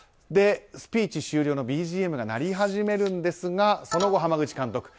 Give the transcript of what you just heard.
スピーチ終了のＢＧＭが流れ始めるんですがその後、濱口監督